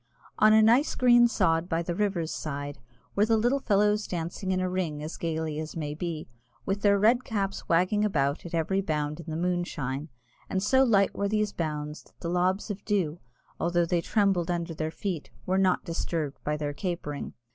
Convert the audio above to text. On a nice green sod by the river's side were the little fellows dancing in a ring as gaily as may be, with their red caps wagging about at every bound in the moonshine, and so light were these bounds that the lobs of dew, although they trembled under their feet, were not disturbed by their capering.